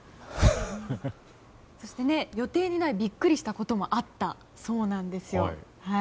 そして予定にないビックリしたこともあったそうです。